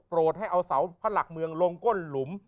ให้เอาเสาพระหลักเมืองลงก้นหลุม